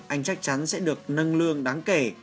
anh chắc chắn sẽ được nâng lương đáng kể